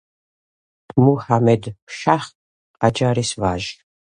მუჰამედ-შაჰ ყაჯარის ვაჟი.